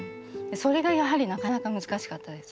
それがやはりなかなか難しかったです。